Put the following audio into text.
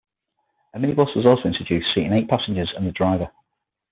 A minibus was also introduced seating eight passengers and the driver.